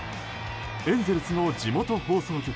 エンゼルスの地元放送局